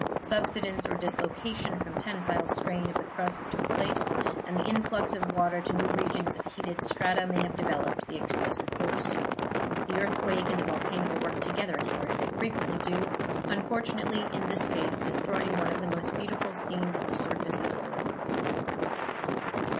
Subsidence or dislocation from tensile strain of the crust took place, and the influx of water to new regions of heated strata may have developed the explosive force. The earthquake and the volcano worked together here, as they frequently do, unfortunately in this case destroying one of the most beautiful scenes on the surface of the globe.